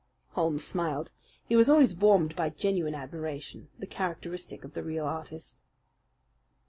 Holmes smiled. He was always warmed by genuine admiration the characteristic of the real artist.